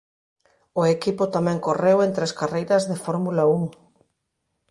O equipo tamén correu en tres carreiras de Fórmula Un.